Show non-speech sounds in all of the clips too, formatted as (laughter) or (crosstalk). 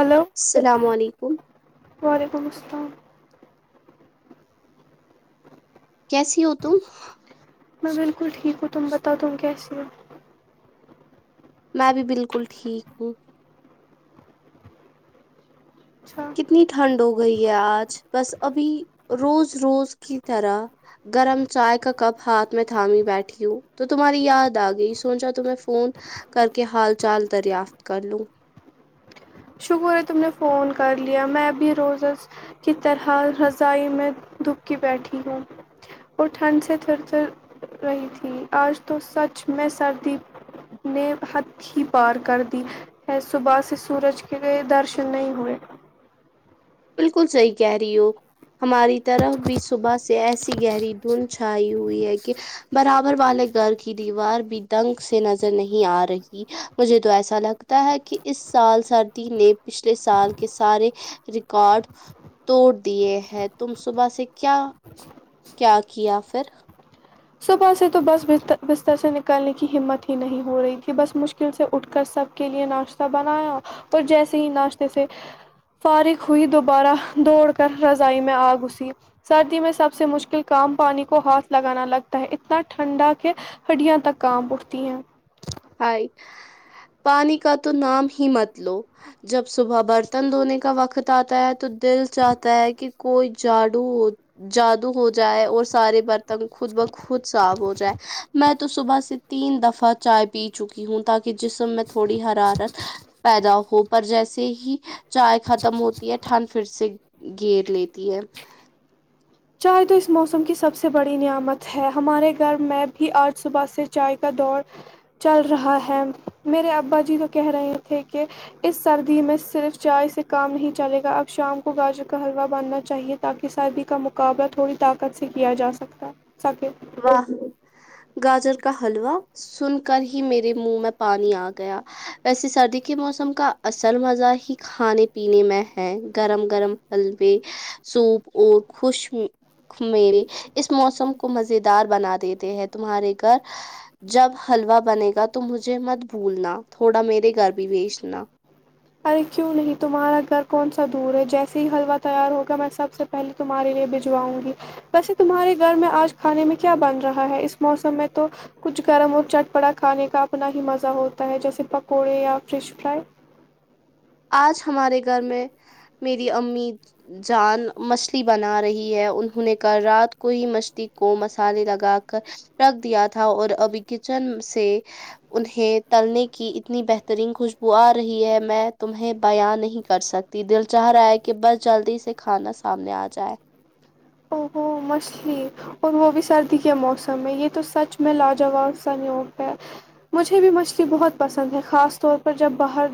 hello السلام علیکم وعلیکم السلام کیسی ہو تم بالکل ٹھیک گ ت بتا تم کیا س میں بھی بالکل ٹھیک ہوں (inaudible) اتنی ٹھنڈ ہو گئی ہے آج بس ابھی روز روز کی طرح گرم چائے کا کپ ہاتھ میں تھامی بیٹھی ہوں تو تمہاری یاد آ گئی سوچا ت فون کر کے حال چال دریافت کر لو شکر ہے تم نے فون کر لیا میں بھی روزز کی طرح رضائی میں دبکی بیٹھی ہوں وہ ٹھنڈ سے تھھر تھر رہی تھی آج تو سچ میں سردی نے حد ہی پار کر دی میں صبح سے سورج کہئی درشن نہیں ہوئے بالکل صحی کہہ رہی ہو ہماری طرف بھی صبح سے ایسی گہری دھند چھائی ہوئی ہے کہ برابر والے گھر کی دیوار بھی دنگ سے نظر نہیں آ رہی مجھے تو ایسا لگتا ہے کہ اس سال سردی نے پچھلے سال کے سارے کارڈ توڑ دیے ہیں تم صبح سے کیا کیا کیا پھر صبح سے تو بس بستر سے نکلنے کی ہمت ہی نہیں ہو رہی تھی بس مشکل مشکل سے اٹھ کر سب کے لیے ناشتہ بنایا اور جیسے ہی ناشتے سے فارغ ہوئی دوبارہ دوڑ کر رضائی میں آگسی سردی میں سب سے مشکل کام پانی کو ہاتھ لگانا لگتا ہے اتنا ٹھنڈا کہ ہڈیاں تک کاپ اٹھتی ہیں ہاے پانی کا تو نام ہی مت لو جب صبح برتن دھونے کا وقت آتا ہے تو دل چاہتا ہے کہ کوئی جادو ہو جادو ہو جائے اور سارے برتن خود بخود صاف ہو جائے میں تو صبح سے تین دفعہ چائے پ پی چکی ہوں تاکہ جسم میں تھوڑی حرارت پیدا ہو پر جیسے ہی چائے ختم ہوتی ہے ٹھنڈ پھر سے گھیر لیتی ہے چائے تو اس موسم کی سب سے بڑی نعمت ہے ہمارے گھر میں بھی آج صبح سے چائے کا دور چل رہا ہے میرے ابا جی تو کہہ رہے تھے کہ اس سردی میں صرف چائے سے کام نہیں چلے گا اب شام کو گاجر کا حلوا بنا چاہیے تاکہ سردی کا مقابلہ تھوڑی طاقت سے کیا جا سکتا سکے واہ گاجر کا حلوا سن کر ہی میرے منہ میں پانی آ گیا ویسے سردی کے موسم کا اصل مزہ ہی کھانے پینے میں ہے گرم گرم حلوے سوپ اور خوش مے اس موسم کو مز مز ی دار بنا دیتے ہیں تمہارے گھر جب حلوا بنے گا تو مجھے مت بھولنا تھوڑا میرے گھر بھی بیچنا ارے کیوں نہیں تمہارا گھر کون سا دور ہے جیسے ہی حلوا تیار ہوگا میں سب سے پہلیے تمہارے لیے بھجواؤں گی ویسے تمہارے گھر میں آج کھانے میں کیا بن رہا ہے اس موسم میں تو کچھ گرم اور چٹ پڑا کھانے کا اپنا ہی مزہ ہوتا ہے جیسے پکوڑے یا فش فرائی آج ہمارے گھر میں میری امی جان مچھلی بنا رہی ہے انہوں نے کہ رات کو ہی مچھلی کو مسالے لگا کر رکھ دیا تھا اور ابھی کچن سے انہیں تلنے کی اتنی بہترین خوشبو آ رہی ہے میں تمہیں بیاں نہیں کر سکتی دل چاہ رہا ہے کہ بس جلدی سے کھانا سامنے آ جائے او ہوو مچھلی اور وہ بھی سردی کے موسم میں یہ تو سچ میں لاجواب س نیو ہے مجھے بھی مچھلی بہت پسند ہے خاص طور پر جب باہر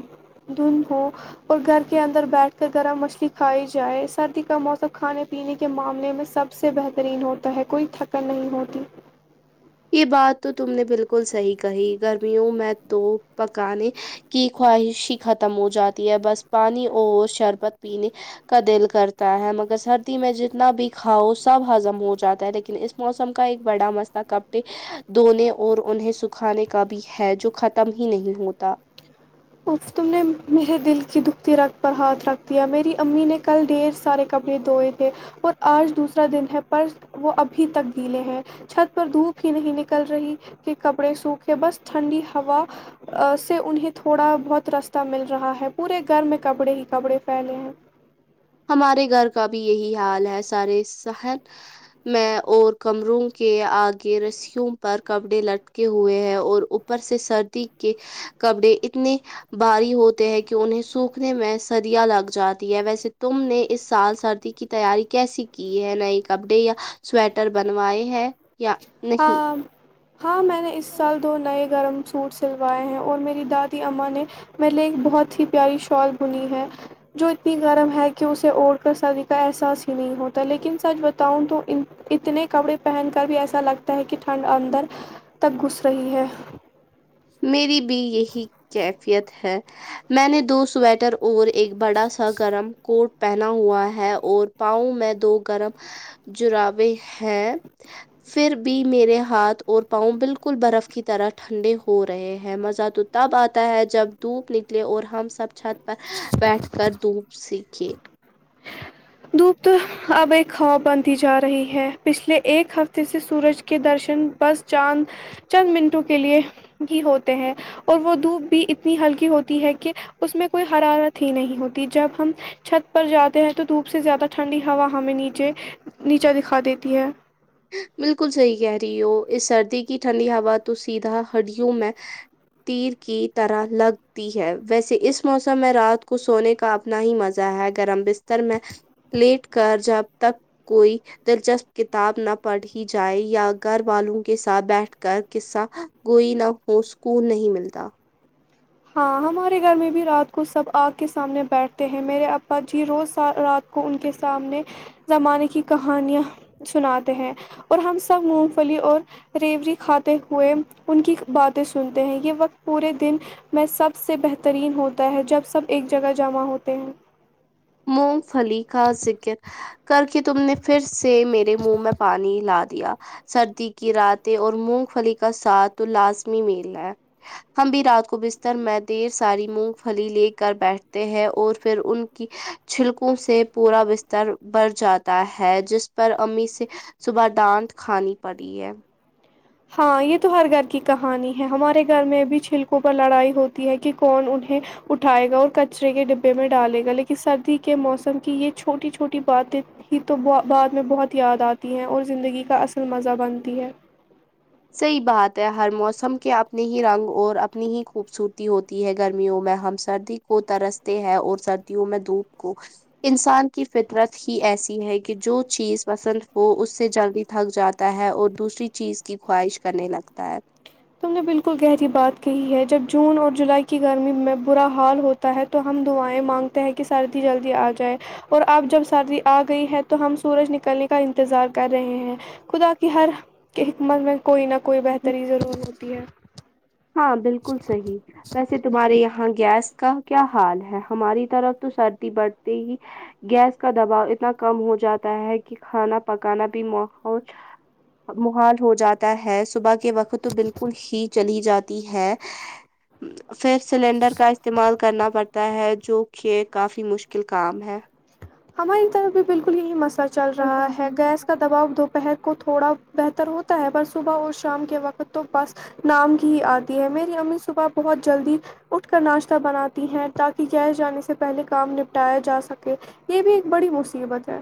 دھند ہو اور گھر کے اندر بیٹھ کر گرم مچھلی کھائی جائے سردی کا موسم کھانے پینے کے معامل میں سب سے بہترین ہوتا ہے کوئی تھکن نہیں ہوتی یہ بات تو تم نے بالکل صحیح کہی گرمیوں میں تو پکانے کی خواہش ہی ختم ہو جاتی ہے بس پانی اور شربت پینے کا دل کرتا ہے مگر سردی میں جتنا بھی کھاؤ سب ہضم ہو جاتا ہے لیکن اس موسم کا ایک بڑا مسلا کب کپڑے دھونے اور انہیں سکھانے کا بھی ہے جو ختم ہی نہیں ہوتا تم نے میرے دل کی دکھتی رکھت پر ہاتھ رکھ دیا میری امی نے کل ڈھیر سارے کپڑے دھوئے تھے اور آج دوسرا دن ہے پر وہ ابھی تک گیلے ہیں چھت پر دھوپ ہی نہیں نکل رہی کہ کپڑے سوکھے بس ٹھنڈی ہوا سے انہیں تھوڑا بہت رستہ مل رہا ہے پورے گھر میں کپڑے ہی کپڑے پھیلے ہیں ہمارے گھر کا بھی یہی حال ہے سارے سحر میں اور کمروں کے آگے روسیوں پر کپڑے لٹکے ہوئے ہیں اور اوپر سے سردی کے کپڑے اتنے بھاری ہوتے ہیں کہ انہیں سوکھنے میں سدیاں لگ جاتی ہے ویسے تم نے اس سال سردی کی تیاری کیسی کی ہے نئے کپڑے یا سویٹر بنوائے ہیں یا نہیں ہاں ہاں میں نے اس سال دو نئے گرم سوٹ سلوائے ہیں اور میری دادی اماں نے میر لے ایک بہت ہی پیاری شال بنی ہے جو اتنی گرم ہے کہ اسے اوڑھ کر سردی کا احساس ہی نہیں ہوتا لیکن سچ بتاؤں تو ان اتنے کپڑے پہن کر بھی ایسا لگتا ہے کہ ٹھنڈ اندر تک گھس رہی ہے میری بھی یہی کیفیت ہے میں نے دو سویٹر اور ایک بڑا سا گرم کوٹ پہنا ہوا ہے اور پاؤں میں دو گرم جراوے ہیں پھر بھی میرے ہاتھ اور پاؤں بالکل برف کی طرح ٹھنڈے ہو ہو رہے ہیں مزہ تو تب آتا ہے جب دھوپ نکلے اور ہم سب چھت پر بیٹھ کر دھوپ سیکی دھوپ اب ایک خاب بنتی جا رہی ہے پچھلے ایک ہفتے سے سورج کے درشن بس چاند چند منٹوں کے لیے ہی ہوتے ہیں اور وہ دھوپ بھی اتنی ہلکی ہوتی ہے کہ اس میں کوئی حرارت ہی نہیں ہوتی جب ہم چھت پر جاتے ہیں تو دھوپ سے زیادہ ٹھنڈی ہوا ہمیں نیچے نیچا دکھا دیتی ہے بالکل صحی کہہ رہی ہو اس سردی کی ٹھنڈی ہوا تو سیدھا ہڈیوں میں تیر کی طرح لگتی ہے ویسے اس موسم میں رات کو سونے کا اپنا ہی مزہ ہے گرم بستر میں لیٹ کر جب تک کوئی دلچسپ کتاب نہ پڑھی جائے یا گھر والوں کے ساتھ بیٹھ کر قصہ کوئی نہ وہ سکون نہیں ملتا ہاں ہمارے گھر میں بھی رات کو سب آگ کے سامنے بیٹھتے ہیں میرے ابا جی روز رات کو ان کے سامنے زمانے کی کہانیاں سناتے ہیں اور ہم سب مونگ پھلی اور ریوڑی کھاتے ہوئے ان کی باتیں سنتے ہیں یہ وقت پورے دن میں سب سے بہترین ہوتا ہے جب سب ایک جگہ جمع ہوتے ہیں مونگ پھلی کا ذکر کر کے تم نے پھر سے میرے منہ میں پانی لا دیا سردی کی راتیں اور مونگ پھلی کا ساتھ تو لازمی میل ہے ہم بھی رات کو بستر میں ڈھیر ساری مونگ پھلی لے کر بیٹھتے ہیں اور پھر ان کی چھلکوں سے پورا بستر بھر جاتا ہے جس پر امی سے صبح ڈانٹ کھانی پڑی ہے ہاں یہ تو ہر گھر کی کہانی ہے ہمارے گھر میں بھی چھلکوں پر لڑائی ہوتی ہے کہ کون انہیں اٹھائے گا اور کچرے کے ڈبے میں ڈالے گا لیکن سردی کے موسم کی یہ چھوٹی چھوٹی باتیں ہی تو بعد میں بہت یاد آتی ہیں اور زندگی کا اصل مزہ بنتی ہے صحی بات ہے ہر موسم کے اپنے ہی رنگ اور اپنی ہی خوبصورتی ہوتی ہے گرمیوں میں ہم سردی کو ترستے ہیں اور سردیوں میں دھوپ کو انسان کی فطرت ہی ایسی ہے کہ جو چیز پسند ہو اس سے جلدی تھک جاتا ہے اور دوسری چیز کی خواہش کرنے لگتا ہے تم نے بالکل گہری بات کہی ہے جب جون اور جولائی کی گرمی میں برا حال ہو تا ہے تو ہم دعائیں مانگتے ہیں کہ سردی جلدی آ جائے اور اب جب سردی آ گئی ہے تو ہم سورج نکلنے کا انتظار کر رہے ہیں خدا کی ہر حکمت میں کوئی نہ کوئی بہتری ضرورت ہوتی ہے ہاں بالکل صحی ویسے تمہارے یہاں گیس کا کیا حال ہے ہماری طرف تو سردی بڑھتی ہی گیس کا دباؤ اتنا کم ہو جاتا ہے کہ کھانا پکانا بھی ماحول محال ہو جاتا ہے صبح وقت تو بالکل ہی چلی جاتی ہے پھر سلینڈر کا استعمال کرنا پڑتا ہے جو کہ کافی مشکل کام ہے ہماری طرف بھی بالکل یہی مسئلہ چل رہا ہے گیس کا دباؤ دوپہر کو تھوڑا بہتر ہوتا ہے پر صبح اور شام کے وقت تو بڈس نام کی آتی ہے میری امی صبح بہت جلدی اٹھ کر ناشتہ بناتی ہیں تاکہ گس جانے سے پہلے کام نپٹایا جا سکے یہ بھی ایک بڑی مصیبت ہے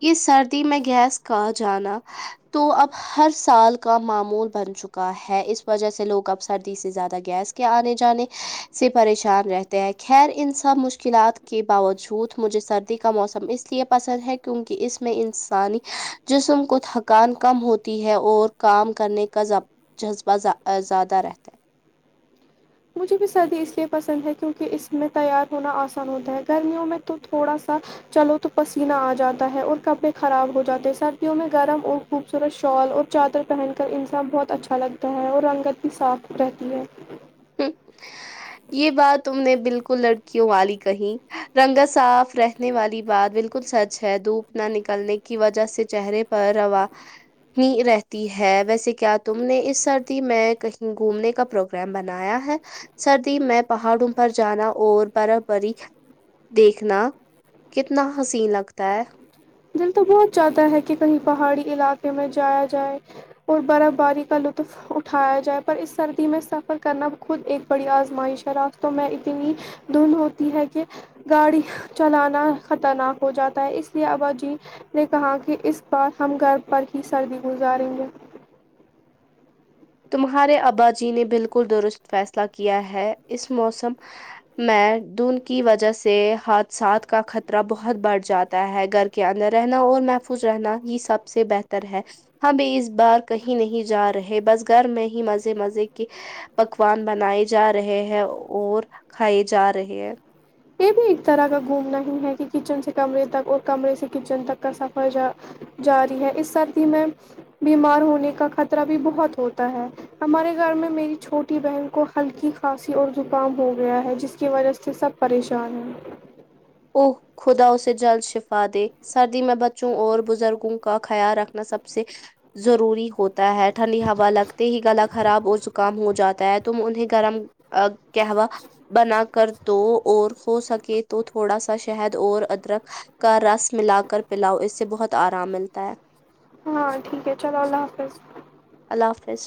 یہ سردی میں گیس کا جانا تو اب ہر سال کا معمول بن چکا ہے چکا ہے اس وجہ سے لوگ اب سردی سے زیادہ گیس کے آنے جانے سے پریشان رہتے خیر ان سب مشکلات کے باوجود مجھے سردی کا موسم اس لیے پسند ہے کیونکہ اس میں انسانی جسم کو تھکان کم ہوتی ہے اور کام کرنے کا جذبہ زیادہ رہتا ہے مجھے بھی سردی اس لیے پسند ہے کیونکہ اس میں تیار ہونا آسان ہوتا ہے گرمیوں میں تو تھوڑا سا چلو تو پسینہ آ جاتا ہے اور کپڑے خراب ہو جاتے ہیں سردیوں میں گرم اور خوبصورت شال اور چادر پہن کر انسان بہت اچھا لگتا ہے اور رنگت بھی صاف رہتی ہے (unintelligible) یہ بات تم نے بالکل لڑکیوں والی کہی رنگا صاف رہ نے والی بات بالکل سچ ہے دھوپ نہ نکلنے کی وجہ سے چہرے پر روا ہی رہتی ہے ویسے کیا تم نے اس سردی میں کہیں گھومنے کا پروگرام بنا بنایا ہے سردی میں پہاڑوں پر جانا اور برف بری دیکھنا کتنا حسین لگتا ہے دل تو بہت جاتدا ہے کہ کہیں پہاڑی علاقے میں جایا جائے اور برا باری کا لطف اٹھایا جائے پر اس سردی میں سفر کرنا خود ایک بڑی آزمائش ہے راخت تو میں اتنی دھند ہوتی ہے کہ گاڑی چلانا خطرناک ہو جاتا ہے اس لیے آو جو نے کہا کہ اس بار ہم گھر پر ہی سردی گزاریں ہیں تمہارے ابا جی نے بالکل درست فیصلہ کیا ہے اس موسم میں دھن کی وجہ سے حادثات کا خطرہ بہت بڑھ جاتا ہے گھر کے اندر رہنا اور محفوظ رہنا یہ سب سے بہتر ہے ہم ب اس بار کہیں نہیں جا رہے بس گھر میں ہی مزے مزے کے پکوان بنائے جا رہے ہیں اور کھائے جا رہے ہیں یہ بھی ایک طرح کا گھومنا نہیں ہے کہ کچن سے کمرے تک اور کمرے سے کچن تک کا سفر ج جاری ہے اس سردی میں بیمار ہونے کا خطرہ بھی بہت ہوتا ہے ہمارے گھر میں میری چھوٹی بہن کو ہلکی کھانسی اور زکام ہو گیا ہے جس کی وجہ سے سب پریشان ہیں اوہ خدا اسے جل شفا دے سردی میں بچوں اور بزرگوں کا خیال رکھنا سب سے ضروری ہوتا ہے ٹھنڈی ہوا لگتے ہی گلا خراب اور زکام ہو جاتا ہے تم انہیں گرم کہوا بنا کر دو اور ہو سکے تو تھوڑا سا شہد اور ادرک کا رس ملا کر پلاؤ اس سے بہت آرام ملتا ہے ہاں ٹھیک ہے چلو اللہ حافظ اللہ حافظ